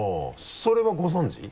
それはご存じ？